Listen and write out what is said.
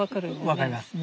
分かります。